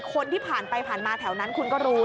คนที่ผ่านไปผ่านมาแถวนั้นคุณก็รู้